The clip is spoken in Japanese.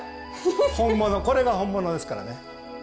本物これが本物ですからね。